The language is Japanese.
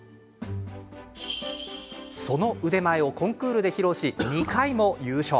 その腕前をコンクールで披露し２回も優勝。